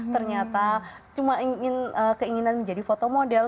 ternyata cuma keinginan menjadi foto model